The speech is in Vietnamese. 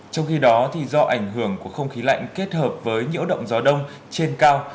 trong khi đó do ảnh hưởng của không khí lạnh kết hợp với nhiễu động gió đông trên cao